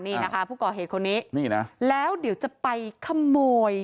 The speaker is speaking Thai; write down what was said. นี่นะคะผู้ก่อเหตุคนนี้นี่นะแล้วเดี๋ยวจะไปขโมย